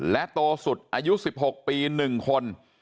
โตสุดอายุ๑๖ปี๑คน